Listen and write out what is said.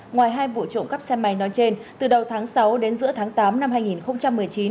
ngoài hai vụ trộm cắp xe máy nói trên từ đầu tháng sáu đến giữa tháng tám năm hai nghìn một mươi chín